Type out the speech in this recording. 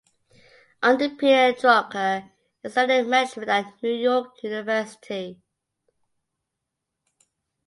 Under Peter Drucker he studied management at New York University.